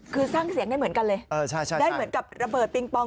คือสร้างเสียงได้เหมือนกันเลยได้เหมือนกับระเบิดปิงปอง